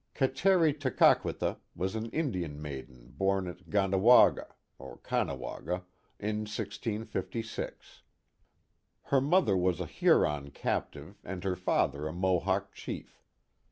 Kateri Tekakwitha was an Indian maiden born at Ganda waga (Caughnawaga) in 1656. Her mother was a Huron captive and her father a Mohawk chief.